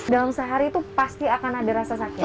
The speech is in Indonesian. dalam sehari itu pasti akan ada rasa sakit